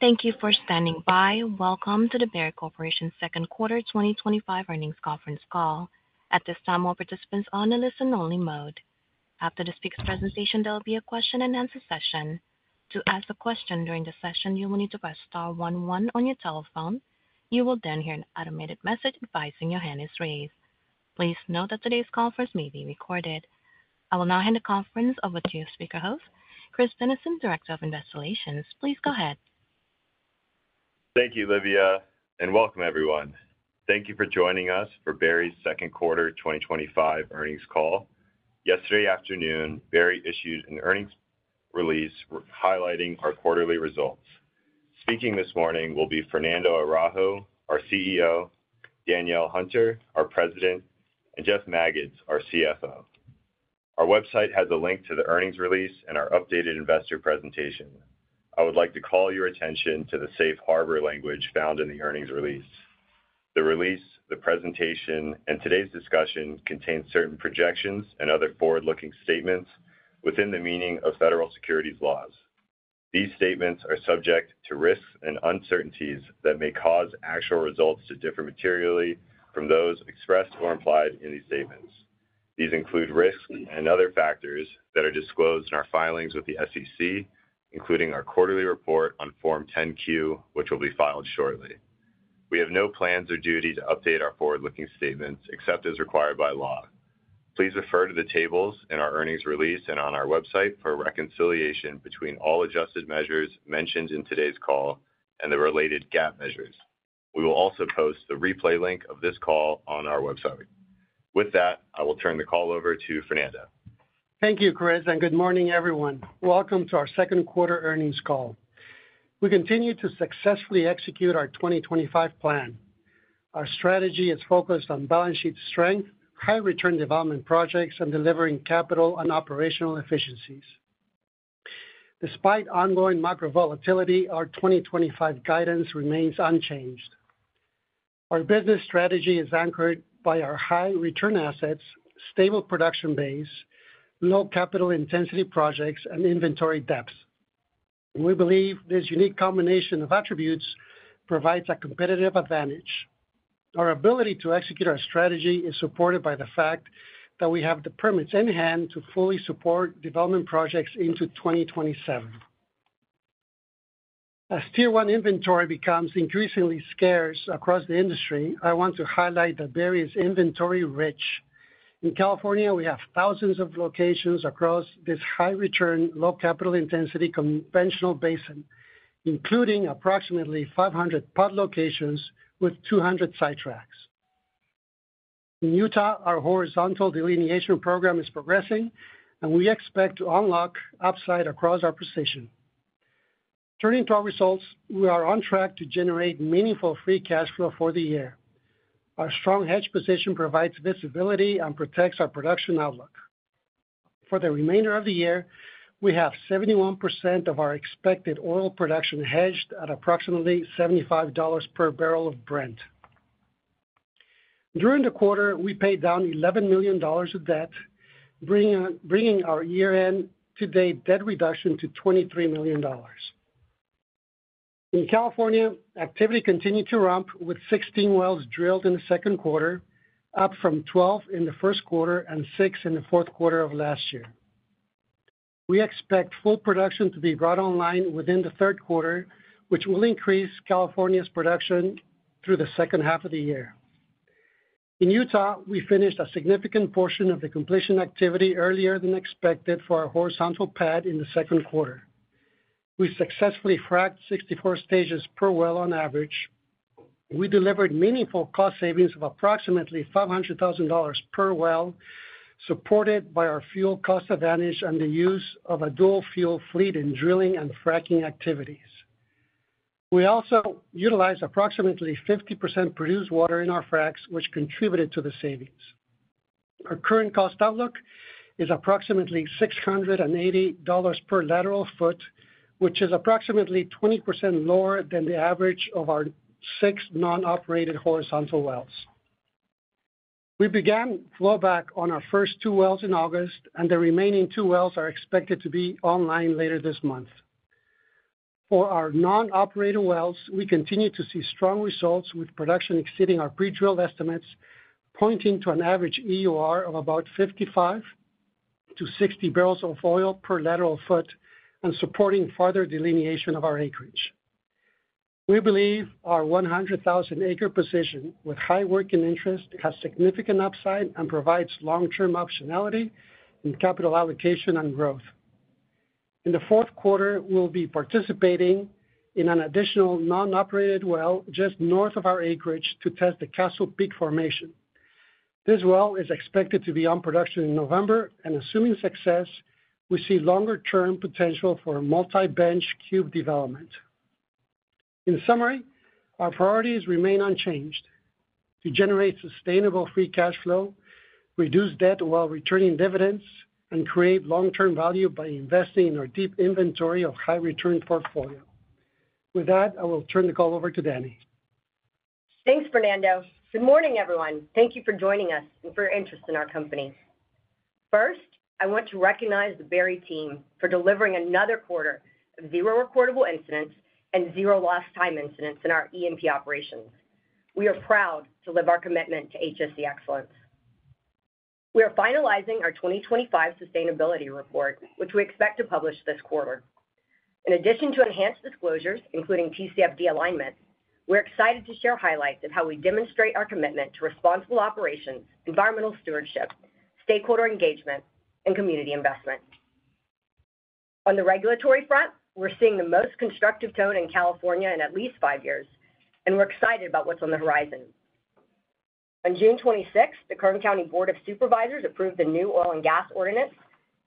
Thank you for standing by. Welcome to the Berry Corporation's Second Quarter 2025 Earnings Conference Call. At this time, all participants are on a listen-only mode. After the speaker's presentation, there will be a question-and-answer session. To ask a question during the session, you will need to press star one one on your telephone. You will then hear an automated message advising your hand is raised. Please note that today's conference may be recorded. I will now hand the conference over to your speaker host, Chris Denison, Director of Investor Relations. Please go ahead. Thank you, Livia, and welcome, everyone. Thank you for joining us for Berry's second quarter 2025 earnings call. Yesterday afternoon, Berry issued an earnings release highlighting our quarterly results. Speaking this morning will be Fernando Araujo, our CEO, Danielle Hunter, our President, and Jeff Magids, our CFO. Our website has a link to the earnings release and our updated investor presentation. I would like to call your attention to the safe harbor language found in the earnings release. The release, the presentation, and today's discussion contain certain projections and other forward-looking statements within the meaning of federal securities laws. These statements are subject to risks and uncertainties that may cause actual results to differ materially from those expressed or implied in these statements. These include risks and other factors that are disclosed in our filings with the SEC, including our quarterly report on Form 10-Q, which will be filed shortly. We have no plans or duty to update our forward-looking statements except as required by law. Please refer to the tables in our earnings release and on our website for reconciliation between all adjusted measures mentioned in today's call and the related GAAP measures. We will also post the replay link of this call on our website. With that, I will turn the call over to Fernando. Thank you, Chris, and good morning, everyone. Welcome to our second quarter earnings call. We continue to successfully execute our 2025 plan. Our strategy is focused on balance sheet strength, high-return development projects, and delivering capital and operational efficiencies. Despite ongoing macro volatility, our 2025 guidance remains unchanged. Our business strategy is anchored by our high-return assets, stable production base, low-capital intensity projects, and inventory depth. We believe this unique combination of attributes provides a competitive advantage. Our ability to execute our strategy is supported by the fact that we have the permits in hand to fully support development projects into 2027. As Tier 1 inventory becomes increasingly scarce across the industry, I want to highlight that Berry is inventory rich. In California, we have thousands of locations across this high-return, low-capital intensity conventional basin, including approximately 500 pod locations with 200 site tracks. In Utah, our horizontal delineation program is progressing, and we expect to unlock upside across our position. Turning to our results, we are on track to generate meaningful free cash flow for the year. Our strong hedge position provides visibility and protects our production outlook. For the remainder of the year, we have 71% of our expected oil production hedged at approximately $75 per barrel of Brent. During the quarter, we paid down $11 million of debt, bringing our year-to-date debt reduction to $23 million. In California, activity continued to ramp with 16 wells drilled in the second quarter, up from 12 in the first quarter and 6 in the fourth quarter of last year. We expect full production to be brought online within the third quarter, which will increase California's production through the second half of the year. In Utah, we finished a significant portion of the completion activity earlier than expected for our horizontal pad in the second quarter. We successfully fracked 64 stages per well on average. We delivered meaningful cost savings of approximately $500,000 per well, supported by our fuel cost advantage and the use of a dual fuel fleet in drilling and fracking activities. We also utilized approximately 50% produced water in our fracks, which contributed to the savings. Our current cost outlook is approximately $680 per lateral foot, which is approximately 20% lower than the average of our six non-operated horizontal wells. We began flowback on our first two wells in August, and the remaining two wells are expected to be online later this month. For our non-operated wells, we continue to see strong results with production exceeding our pre-drilled estimates, pointing to an average EUR of about 55-60 barrels of oil per lateral foot and supporting further delineation of our acreage. We believe our 100,000-acre position with high working interest has significant upside and provides long-term optionality in capital allocation and growth. In the fourth quarter, we'll be participating in an additional non-operated well just north of our acreage to test the Castle Peak formation. This well is expected to be on production in November, and assuming success, we see longer-term potential for a multi-bench cube development. In summary, our priorities remain unchanged to generate sustainable free cash flow, reduce debt while returning dividends, and create long-term value by investing in our deep inventory of high-return portfolio. With that, I will turn the call over to Danny. Thanks, Fernando. Good morning, everyone. Thank you for joining us and for your interest in our company. First, I want to recognize the Berry team for delivering another quarter of zero recordable incidents and zero lost time incidents in our EMP operations. We are proud to live our commitment to HSC excellence. We are finalizing our 2025 sustainability report, which we expect to publish this quarter. In addition to enhanced disclosures, including TCFD alignment, we're excited to share highlights of how we demonstrate our commitment to responsible operations, environmental stewardship, stakeholder engagement, and community investment. On the regulatory front, we're seeing the most constructive tone in California in at least five years, and we're excited about what's on the horizon. On June 26, the Kern County Board of Supervisors approved the new oil and gas ordinance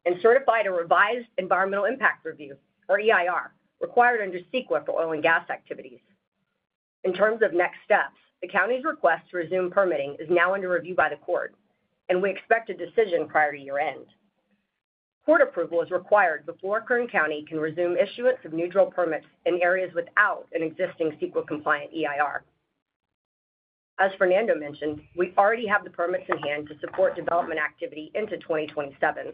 and certified a revised Environmental Impact Review, or EIR, required under CEQA for oil and gas activities. In terms of next steps, the county's request to resume permitting is now under review by the court, and we expect a decision prior to year-end. Court approval is required before Kern County can resume issuance of new drill permits in areas without an existing CEQA-compliant EIR. As Fernando mentioned, we already have the permits in hand to support development activity into 2027.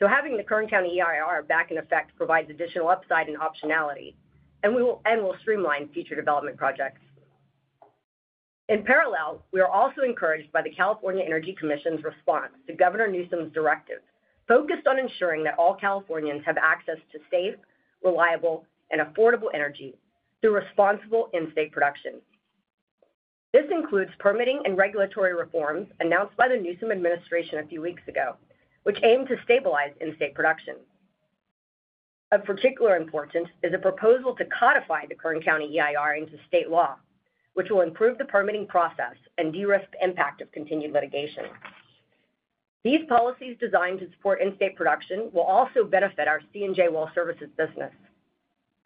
Having the Kern County EIR back in effect provides additional upside and optionality, and we will streamline future development projects. In parallel, we are also encouraged by the California Energy Commission's response to Governor Newsom's directive focused on ensuring that all Californians have access to safe, reliable, and affordable energy through responsible in-state production. This includes permitting and regulatory reforms announced by the Newsom administration a few weeks ago, which aim to stabilize in-state production. Of particular importance is a proposal to codify the Kern County EIR into state law, which will improve the permitting process and de-risk the impact of continued litigation. These policies designed to support in-state production will also benefit our C&J Well Services business.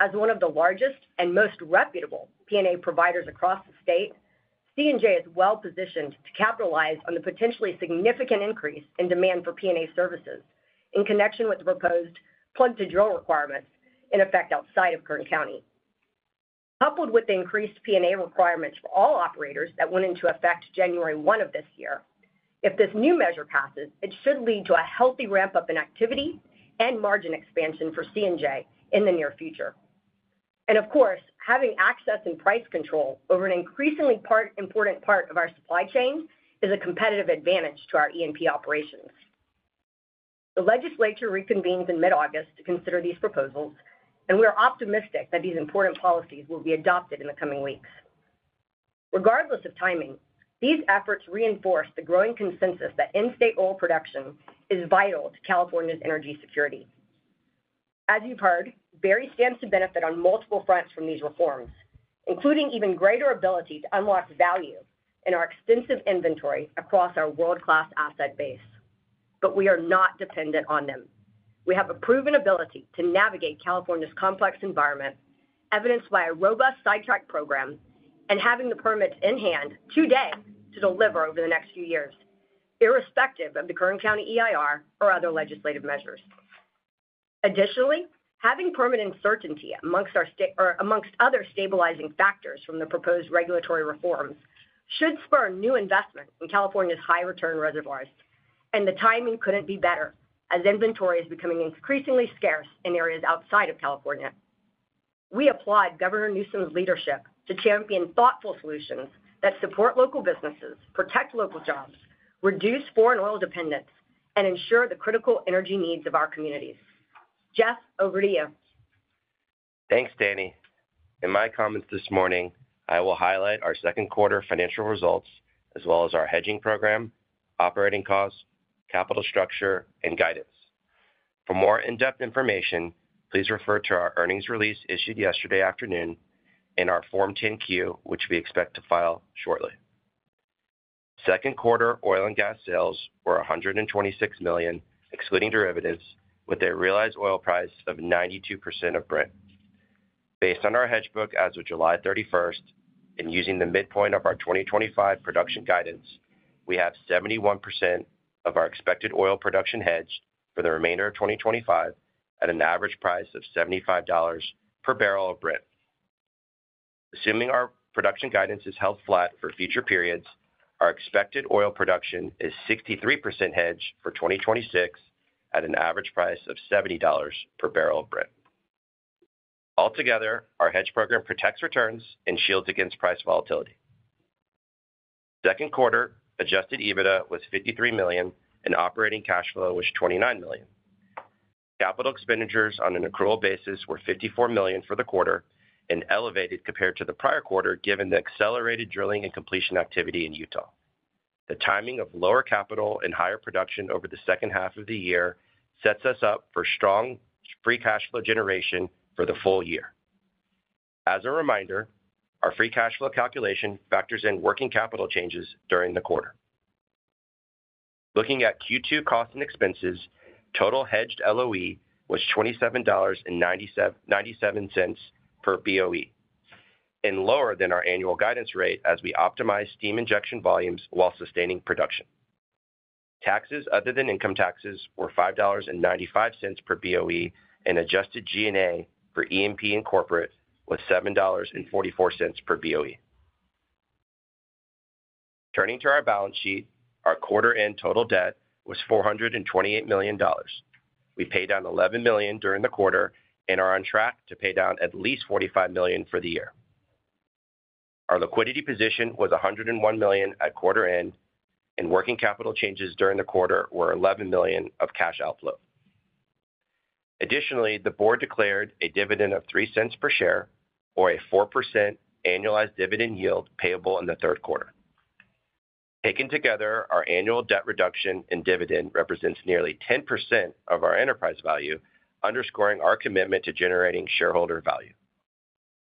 As one of the largest and most reputable P&A providers across the state, C&J is well-positioned to capitalize on the potentially significant increase in demand for P&A services in connection with the proposed plug-to-drill requirements in effect outside of Kern County. Coupled with the increased P&A requirements for all operators that went into effect January 1 of this year, if this new measure passes, it should lead to a healthy ramp-up in activity and margin expansion for C&J in the near future. Of course, having access and price control over an increasingly important part of our supply chain is a competitive advantage to our E&P operations. The legislature reconvenes in mid-August to consider these proposals, and we are optimistic that these important policies will be adopted in the coming weeks. Regardless of timing, these efforts reinforce the growing consensus that in-state oil production is vital to California's energy security. As you've heard, Berry stands to benefit on multiple fronts from these reforms, including even greater ability to unlock value in our extensive inventory across our world-class asset base. We are not dependent on them. We have a proven ability to navigate California's complex environment, evidenced by a robust sidetrack program and having the permits in hand today to deliver over the next few years, irrespective of the Kern County EIR or other legislative measures. Additionally, having permanent uncertainty amongst other stabilizing factors from the proposed regulatory reforms should spur new investment in California's high-return reservoirs, and the timing couldn't be better as inventory is becoming increasingly scarce in areas outside of California. We applaud Governor Newsom's leadership to champion thoughtful solutions that support local businesses, protect local jobs, reduce foreign oil dependence, and ensure the critical energy needs of our communities. Jeff, over to you. Thanks, Danny. In my comments this morning, I will highlight our second quarter financial results, as well as our hedging program, operating costs, capital structure, and guidance. For more in-depth information, please refer to our earnings release issued yesterday afternoon and our Form 10-Q, which we expect to file shortly. Second quarter oil and gas sales were $126 million, excluding derivatives, with a realized oil price of 92% of Brent. Based on our hedge book as of July 31 and using the midpoint of our 2025 production guidance, we have 71% of our expected oil production hedged for the remainder of 2025 at an average price of $75 per barrel of Brent. Assuming our production guidance is held flat for future periods, our expected oil production is 63% hedged for 2026 at an average price of $70 per barrel of Brent. Altogether, our hedge program protects returns and shields against price volatility. Second quarter adjusted EBITDA was $53 million and operating cash flow was $29 million. Capital expenditures on an accrual basis were $54 million for the quarter and elevated compared to the prior quarter, given the accelerated drilling and completion activity in Utah. The timing of lower capital and higher production over the second half of the year sets us up for strong free cash flow generation for the full year. As a reminder, our free cash flow calculation factors in working capital changes during the quarter. Looking at Q2 cost and expenses, total hedged LOE was $27.97 per BOE and lower than our annual guidance rate as we optimized steam injection volumes while sustaining production. Taxes other than income taxes were $5.95 per BOE and adjusted G&A for E&P and corporate was $7.44 per BOE. Turning to our balance sheet, our quarter-end total debt was $428 million. We paid down $11 million during the quarter and are on track to pay down at least $45 million for the year. Our liquidity position was $101 million at quarter-end, and working capital changes during the quarter were $11 million of cash outflow. Additionally, the board declared a dividend of $0.03 per share, or a 4% annualized dividend yield payable in the third quarter. Taken together, our annual debt reduction and dividend represent nearly 10% of our enterprise value, underscoring our commitment to generating shareholder value.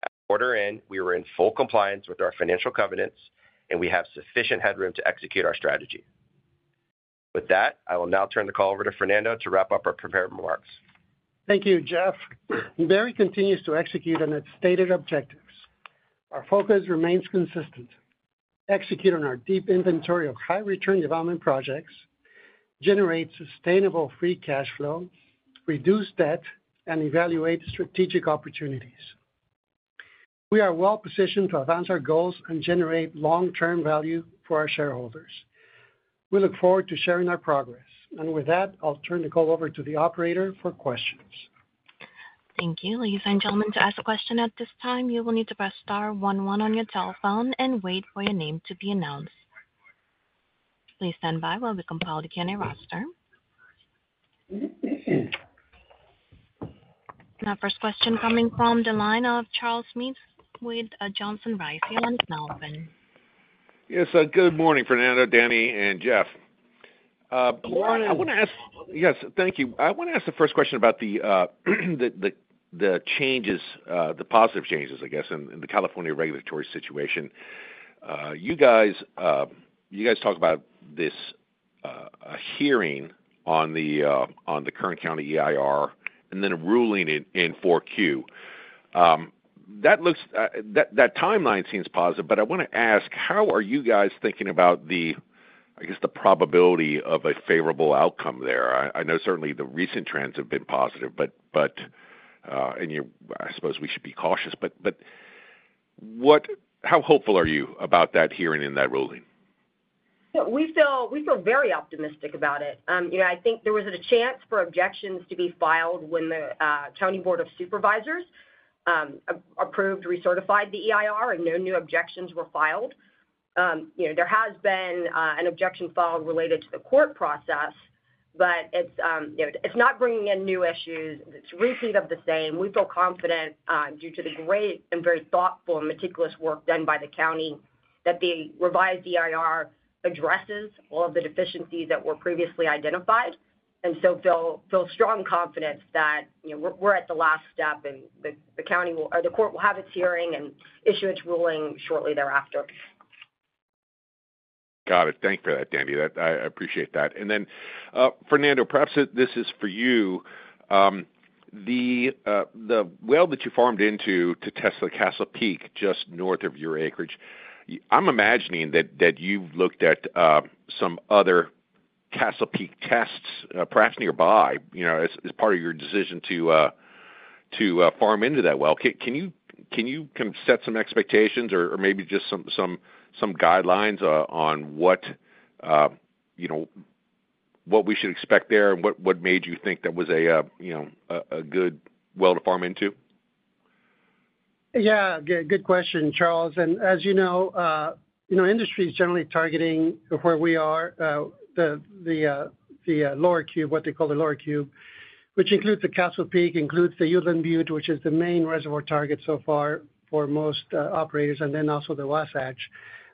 At quarter-end, we were in full compliance with our financial covenants, and we have sufficient headroom to execute our strategy. With that, I will now turn the call over to Fernando to wrap up our prepared remarks. Thank you, Jeff. Berry continues to execute on its stated objectives. Our focus remains consistent: execute on our deep inventory of high-return development projects, generate sustainable free cash flow, reduce debt, and evaluate strategic opportunities. We are well-positioned to advance our goals and generate long-term value for our shareholders. We look forward to sharing our progress. I'll turn the call over to the operator for questions. Thank you. Ladies and gentlemen, to ask a question at this time, you will need to press star one one on your telephone and wait for your name to be announced. Please stand by while we compile the Q&A roster. The first question coming from the line of Charles Smith with Johnson Rice here in Melbourne. Yes, good morning, Fernando, Danielle, and Jeff. Thank you. I want to ask the first question about the changes, the positive changes, I guess, in the California regulatory situation. You guys talk about this hearing on the Kern County Environmental Impact Review and then ruling it in 4Q. That timeline seems positive, but I want to ask, how are you guys thinking about the probability of a favorable outcome there? I know certainly the recent trends have been positive, and I suppose we should be cautious, but how hopeful are you about that hearing and that ruling? Yeah, we feel very optimistic about it. I think there was a chance for objections to be filed when the Kern County Board of Supervisors approved recertified the EIR and no new objections were filed. There has been an objection filed related to the court process, but it's not bringing in new issues. It's a repeat of the same. We feel confident due to the great and very thoughtful and meticulous work done by the county, that the revised EIR addresses all of the deficiencies that were previously identified. We feel strong confidence that we're at the last step and the county will, or the court will have its hearing and issue its ruling shortly thereafter. Got it. Thank you for that, Danielle. I appreciate that. Fernando, perhaps this is for you. The well that you farmed into to test the Castle Peak just north of your acreage, I'm imagining that you looked at some other Castle Peak tests, perhaps nearby, as part of your decision to farm into that well. Can you kind of set some expectations or maybe just some guidelines on what we should expect there and what made you think that was a good well to farm into? Yeah, good question, Charles. As you know, industry is generally targeting where we are, the lower cube, what they call the lower cube, which includes the Castle Peak, includes the Ewden Butte, which is the main reservoir target so far for most operators, and then also the Wasatch.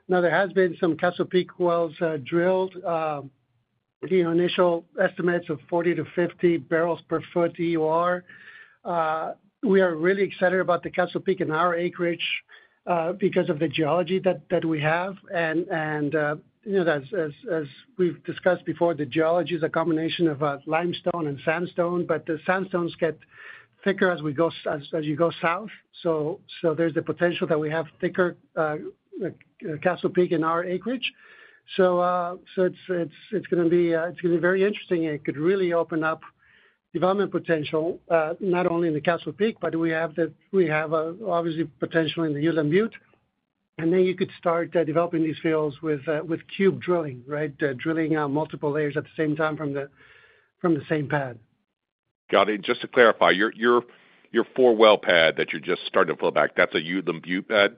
There have been some Castle Peak wells drilled, initial estimates of 40-50 barrels per foot EUR. We are really excited about the Castle Peak in our acreage because of the geology that we have. As we've discussed before, the geology is a combination of limestone and sandstone, but the sandstones get thicker as you go south. There is the potential that we have thicker Castle Peak in our acreage. It is going to be very interesting. It could really open up development potential, not only in the Castle Peak, but we have obviously potential in the Ewden Butte. You could start developing these fields with cube drilling, right? Drilling multiple layers at the same time from the same pad. Got it. Just to clarify, your four-well pad that you're just starting to flow back, that's an Ewden Butte pad?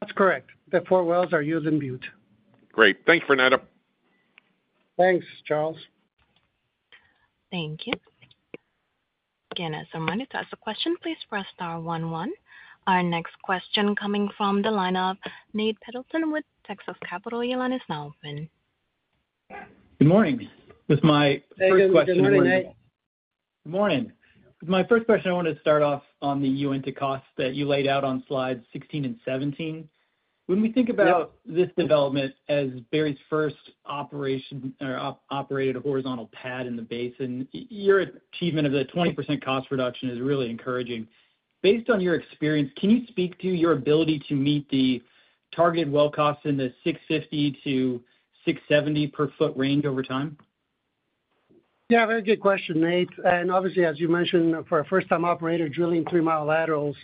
That's correct. The four wells are Ewden Butte. Great. Thanks, Fernando. Thanks, Charles. Thank you. Again, as someone who's asked a question, please press star one one. Our next question coming from the line of Nate Pendleton with Texas Capital. Your line is now open. Good morning. This is my first question. Hey, good morning, Nate. Good morning. My first question, I wanted to start off on the EIR and the costs that you laid out on slides 16 and 17. When we think about this development as Berry's first operated horizontal pad in the basin, your achievement of the 20% cost reduction is really encouraging. Based on your experience, can you speak to your ability to meet the targeted well costs in the $650-$670 per foot range over time? Yeah, very good question, Nate. Obviously, as you mentioned, for a first-time operator drilling three-mile laterals,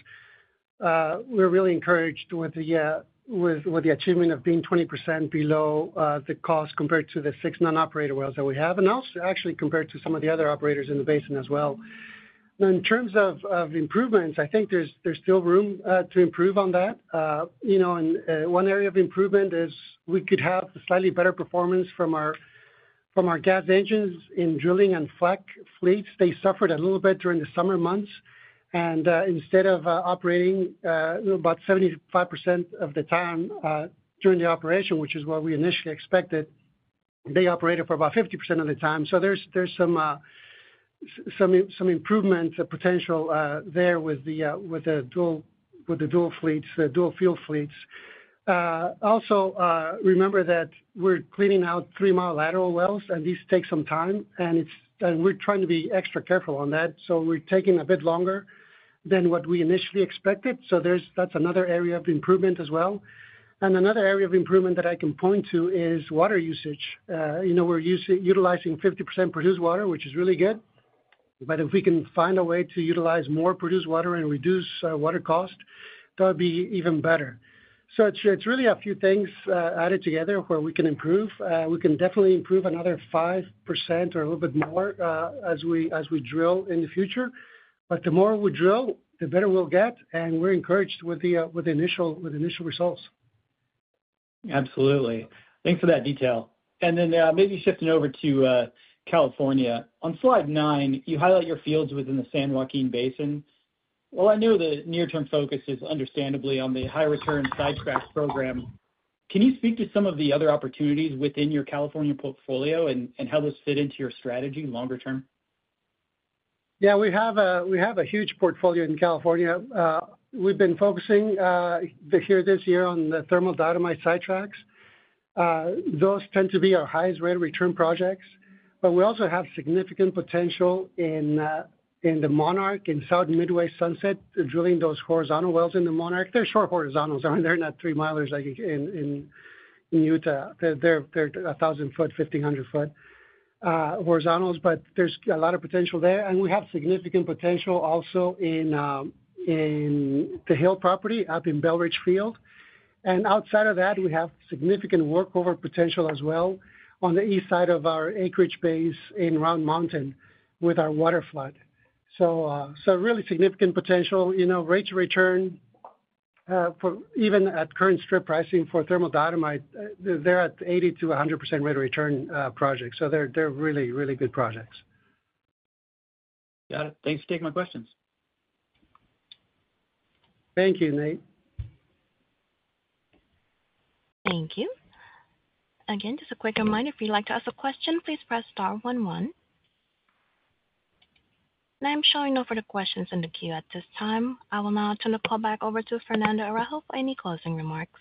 we're really encouraged with the achievement of being 20% below the cost compared to the six non-operator wells that we have, and also actually compared to some of the other operators in the basin as well. In terms of improvements, I think there's still room to improve on that. One area of improvement is we could have slightly better performance from our GADS engines in drilling and fleck fleets. They suffered a little bit during the summer months. Instead of operating about 75% of the time during the operation, which is what we initially expected, they operated for about 50% of the time. There's some improvement potential there with the dual fuel fleets. Also, remember that we're cleaning out three-mile lateral wells, and these take some time, and we're trying to be extra careful on that. We're taking a bit longer than what we initially expected. That's another area of improvement as well. Another area of improvement that I can point to is water usage. We're utilizing 50% produced water, which is really good. If we can find a way to utilize more produced water and reduce water cost, that would be even better. It's really a few things added together where we can improve. We can definitely improve another 5% or a little bit more as we drill in the future. The more we drill, the better we'll get, and we're encouraged with the initial results. Absolutely. Thanks for that detail. Maybe shifting over to California, on slide nine, you highlight your fields within the San Joaquin Basin. While I know the near-term focus is understandably on the high-return sidetrack program, can you speak to some of the other opportunities within your California portfolio and how those fit into your strategy longer term? Yeah, we have a huge portfolio in California. We've been focusing here this year on the thermal dynamite sidetracks. Those tend to be our highest rate of return projects. We also have significant potential in the Monarch and South Midway Sunset, drilling those horizontal wells in the Monarch. They're short horizontals. I mean, they're not three milers like in Utah. They're 1,000 ft, 1,500 ft horizontals, but there's a lot of potential there. We have significant potential also in the Hill property up in Bellridge Field. Outside of that, we have significant workover potential as well on the east side of our acreage base in Round Mountain with our water flood. Really significant potential, you know, rate to return for even at current strip pricing for thermal dynamite, they're at 80%-100% rate of return projects. They're really, really good projects. Got it. Thanks for taking my questions. Thank you, Nate. Thank you. Again, just a quick reminder, if you'd like to ask a question, please press star one one. I'm showing no further questions in the queue at this time. I will now turn the call back over to Fernando Araujo for any closing remarks.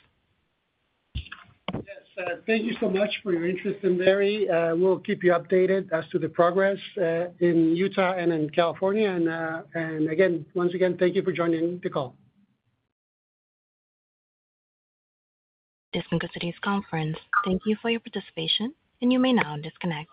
Thank you so much for your interest in Berry. We'll keep you updated as to the progress in Utah and in California. Once again, thank you for joining the call. This concludes today's conference. Thank you for your participation, and you may now disconnect.